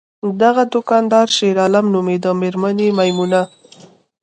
دغه دوکاندار شیرعالم نومیده، میرمن یې میمونه!